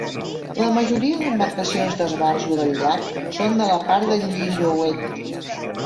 La majoria d'embarcacions d'esbarjo del llac són de la part de Lillooet.